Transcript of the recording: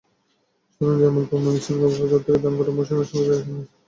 সাধারণত জামালপুর, ময়মনসিংহ, গফরগাঁও থেকে ধান কাটার মৌসুমে শ্রমিকেরা এখানে আসেন।